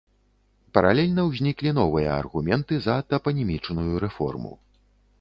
Паралельна ўзніклі новыя аргументы за тапанімічную рэформу.